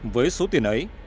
với số tiền ấy